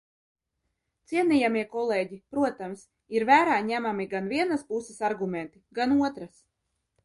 Cienījamie kolēģi, protams, ir vērā ņemami gan vienas puses argumenti, gan otras.